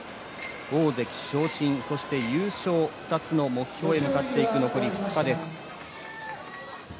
大関昇進そして優勝２つの目標に向かって残り２日です。